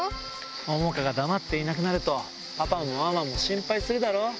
桃香が黙っていなくなるとパパもママも心配するだろ。